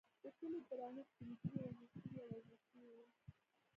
د کلي درانه سپین ږیري وهل شوي او وژل شوي وو.